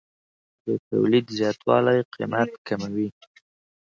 د تولید زیاتوالی قیمت کموي.